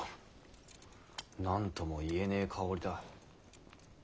何とも言えねぇ香りだ。